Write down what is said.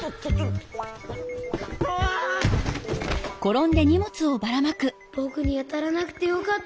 こころのこえぼくにあたらなくてよかった。